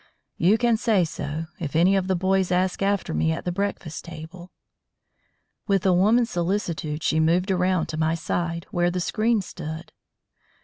You can say so, if any of the boys ask after me at the breakfast table." With a woman's solicitude she moved around to my side, where the screen stood.